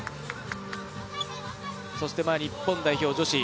そして、日本代表女子。